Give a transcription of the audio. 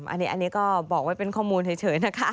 อันนี้ก็บอกไว้เป็นข้อมูลเฉยนะคะ